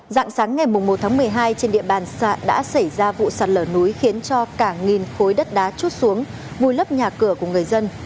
dạng sáng ngày một tháng một mươi hai trên địa bàn đã xảy ra vụ sạt lở núi khiến cho cả nghìn khối đất đá chút xuống vùi lấp nhà cửa của người dân